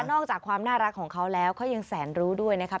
นอกจากความน่ารักของเขาแล้วเขายังแสนรู้ด้วยนะคะ